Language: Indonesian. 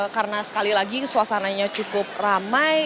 karena sekali lagi suasananya cukup ramai